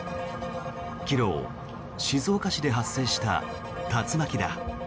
昨日、静岡市で発生した竜巻だ。